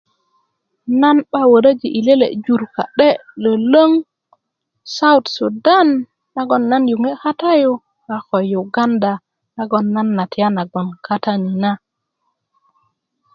nan 'ba wöröji' yi lele' jur ka'de' lwölwöŋ sowut sudan a nagon nan yuŋe' katayi ako yuganda nagoŋ nan na tiyana gboŋ katani na